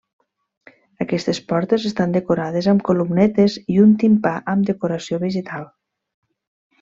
Aquestes portes estan decorades amb columnetes i un timpà amb decoració vegetal.